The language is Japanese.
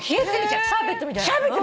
シャーベットみたい。